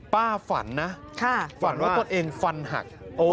ป้าฝันนะฝันว่าตนเองฟันหัก